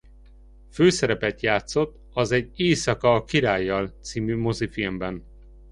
Főszerepet játszott az Egy éjszaka a királlyal c. mozifilmben.